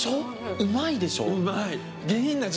うまいでしょ。